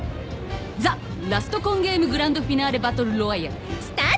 ザラストコンゲームグランドフィナーレバトルロワイヤルスタート！